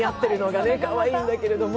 かわいいんだけれども。